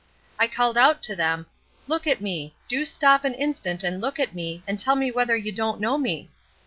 I called out to them: 'Look at me! Do stop an instant and look at me, and tell me whether you don't know me?